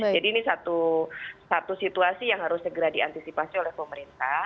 jadi ini satu situasi yang harus segera diantisipasi oleh pemerintah